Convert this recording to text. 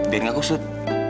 biar gak kusut